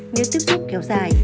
nếu tiếp xúc kéo dài